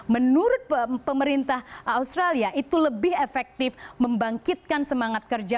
menurut pemerintah australia itu lebih efektif membangkitkan semangat kerja